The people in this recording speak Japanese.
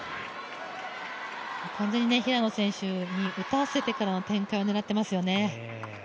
完全に平野選手に打たせてからの展開を狙っていますよね。